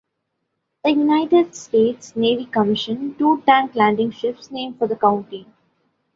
The United States Navy commissioned two tank landing ships named for the county.